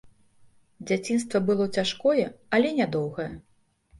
Дзяцінства было цяжкое, але нядоўгае.